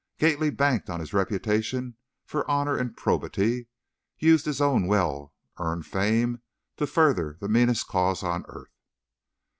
Gately banked on his reputation for honor and probity, used his own well earned fame to further the meanest cause on earth!